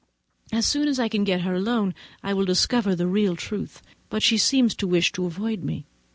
As soon as I can get her alone, I will discover the real truth; but she seems to wish to avoid me.